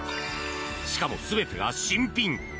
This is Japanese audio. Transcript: しかも全てが新品。